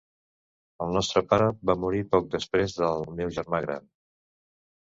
El nostre pare va morir poc després del meu germà gran.